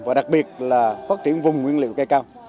và đặc biệt là phát triển vùng nguyên liệu cây cam